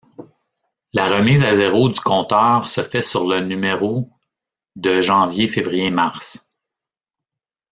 La remise à zéro du compteur se fait sur le numéro de janvier-février-mars.